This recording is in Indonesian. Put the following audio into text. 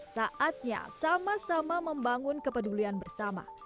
saatnya sama sama membangun kepedulian bersama